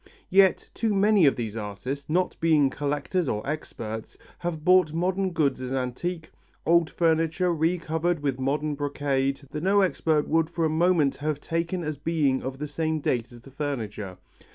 Yet too many of these artists, not being collectors or experts, have bought modern goods as antique, old furniture re covered with modern brocade that no expert would for a moment have taken as being of the same date as the furniture.